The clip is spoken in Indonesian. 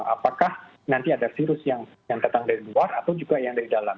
apakah nanti ada virus yang datang dari luar atau juga yang dari dalam